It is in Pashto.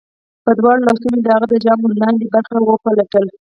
په دواړو لاسو مې د هغه د ژامو لاندې برخه وپلټله